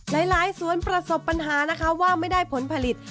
หลายสวนประสบปัญหานะคะว่าไม่ได้ผลผลิต